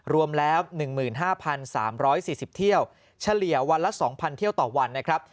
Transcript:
รวมแล้ว๑๕๓๔๐เที่ยวเฉลี่ยวันละ๒๐๐เที่ยวต่อวันนะครับ